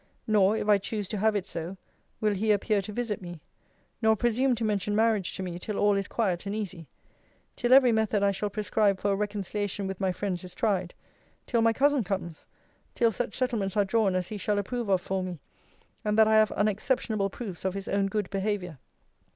Nor, if I choose to have it so, will he appear to visit me; nor presume to mention marriage to me till all is quiet and easy; till every method I shall prescribe for a reconciliation with my friends is tried; till my cousin comes; till such settlements are drawn as he shall approve of for me; and that I have unexceptionable proofs of his own good behaviour.'